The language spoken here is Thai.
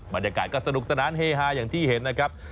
บรรยากาศก็สนุกสนานเฮฮาอย่างที่เห็นนะครับ